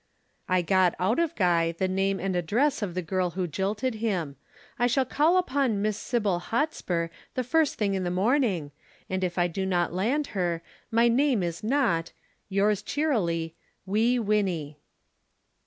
I got out of Guy the name and address of the girl who jilted him. I shall call upon Miss Sybil Hotspur the first thing in the morning, and if I do not land her my name is not "Yours cheerily, "WEE WINNIE."